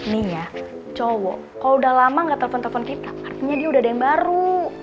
nih ya cowok kalo udah lama ga telfon dua kita artinya dia udah ada yang baru